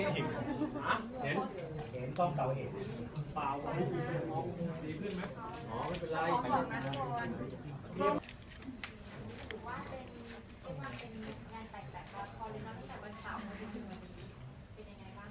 ขอบคุณครับ